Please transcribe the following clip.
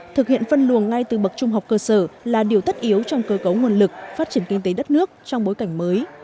thực hiện phân luồng ngay từ bậc trung học cơ sở là điều tất yếu trong cơ cấu nguồn lực phát triển kinh tế đất nước trong bối cảnh mới